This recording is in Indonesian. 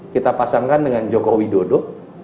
kita pasangkan dengan jokowi dodo